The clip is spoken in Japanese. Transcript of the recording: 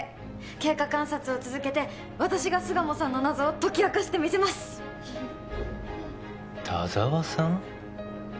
経過観察を続けて私が巣鴨さんの謎を解き明かしてみせます田沢さん？